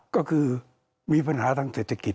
ก็คือมีปัญหาทางเศรษฐกิจ